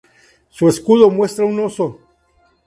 Su escudo muestra un oso.